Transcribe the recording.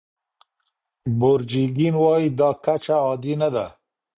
بورجیګین وايي دا کچه عادي نه ده.